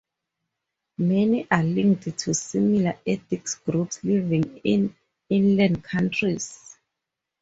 Many are linked to similar ethnic groups living in inland countries.